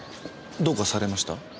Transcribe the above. どうかされました？